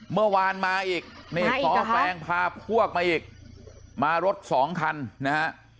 เมื่อวานมาอีกนี่สแฟงพาพวกมาอีกมารถสองคันนะฮะ